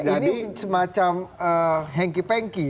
ini semacam hengki pengki